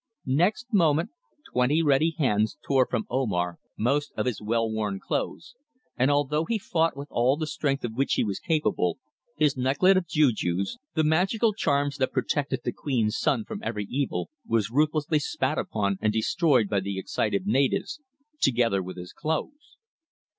Next moment twenty ready hands tore from Omar most of his well worn clothes, and although he fought with all the strength of which he was capable, his necklet of jujus, the magical charms that protected the Queen's son from every evil, was ruthlessly spat upon and destroyed by the excited natives, together with his clothes.